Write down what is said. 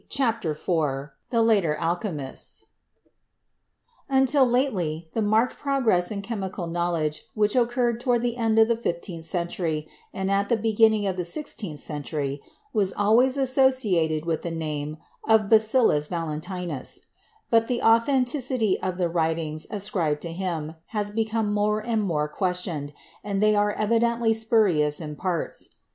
CHAPTER IV THE LATER ALCHEMISTS Until lately the marked progress in chemical knowl edge which occurred toward the end of the fifteenth cen tury and at the beginning of the sixteenth century was always associated with the name of Basilius Valentinus, but the authenticity of the writings ascribed to him has become more and more questioned, and they are evidently spurious in parts.